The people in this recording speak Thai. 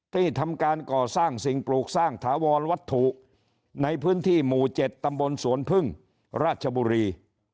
ที่ทำการก่อสร้างสิ่งปลูกสร้างถาวรวัตถุในพื้นที่หมู่๗ตำบลสวนพึ่งราชบุรี